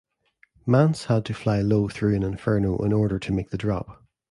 Mantz had to fly low through an inferno in order to make the drop.